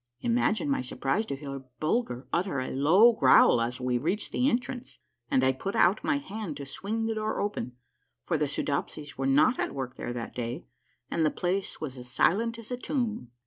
Imagine my surprise to hear Bulger utter a low growl as we reached the entrance, and I put out my hand to swing the door open, for the Soodopsies were not at work there that day, and the place was as silent as a tomb.